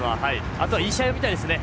あとはいい試合を見たいですね。